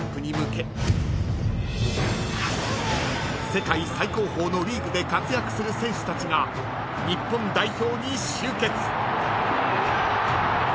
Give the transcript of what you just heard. ［世界最高峰のリーグで活躍する選手たちが日本代表に集結］